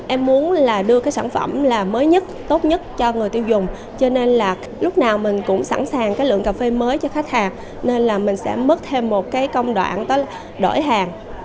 em muốn đưa sản phẩm mới nhất tốt nhất cho người tiêu dùng cho nên là lúc nào mình cũng sẵn sàng lượng cà phê mới cho khách hàng nên là mình sẽ mất thêm một công đoạn đó là đổi hàng